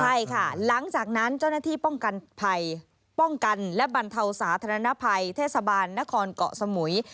ใช่ค่ะหลังจากนั้นเจ้าหน้าที่ป้องกันภัยป้องกันและบรรเทาสาธารณภัยเทศบาลนครเกาะสมุย